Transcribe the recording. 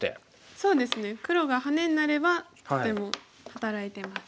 そうですね黒がハネになればとても働いてます。